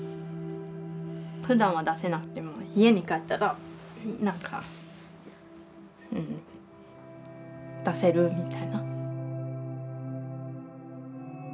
ふだんは出せなくても家に帰ったらなんか出せるみたいな。